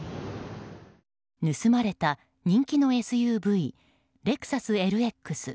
盗まれた人気のＳＵＶレクサスＬＸ。